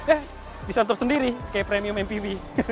eh bisa untuk sendiri kayak premium mpv